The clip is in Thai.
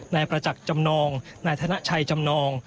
นายประจักษ์จำนองนายธนชัยจำนอง